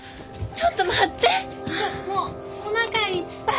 ちょもうおなかいっぱい！